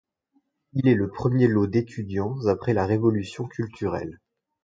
Il est le premier lot d'étudiants après la Révolution culturelle.